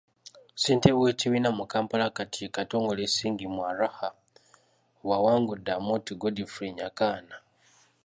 Ssentebe w’ekibiina mu Kampala kati ye Katongole Singh Marwaha bwawangudde Amooti Godfrey Nyakana.